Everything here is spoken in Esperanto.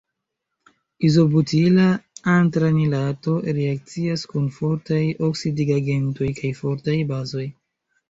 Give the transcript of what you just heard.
Izobutila antranilato reakcias kun fortaj oksidigagentoj kaj fortaj bazoj.